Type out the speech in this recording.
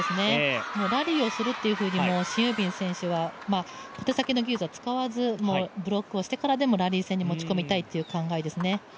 ラリーをするというふうにシン・ユビン選手は小手先の技術は使わずブロックをしてからでもラリー戦に持ち込みたいという考え方ですね。